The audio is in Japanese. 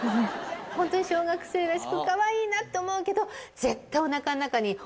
ホントに小学生らしくかわいいなって思うけど絶対おなかの中に。